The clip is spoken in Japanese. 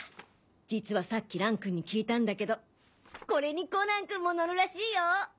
実はさっき蘭君に聞いたんだけどこれにコナン君も乗るらしいよ！